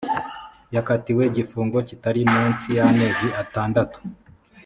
yakatiwe igifungo kitari munsi y’amezi atandatu